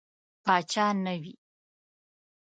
پاچا نه وي.